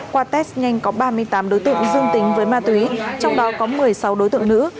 qua test nhanh có ba mươi tám đối tượng dương tính với ma túy trong đó có một mươi sáu đối tượng nữ